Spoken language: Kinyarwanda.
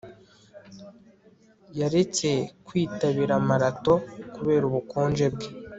Yaretse kwitabira marato kubera ubukonje bwe